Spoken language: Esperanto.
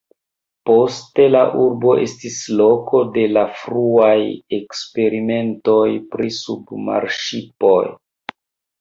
Poste la urbo estis loko de la fruaj eksperimentoj pri submarŝipoj.